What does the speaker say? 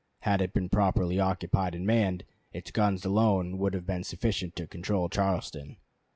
Had it been properly occupied and manned, its guns alone would have been sufficient to control Charleston.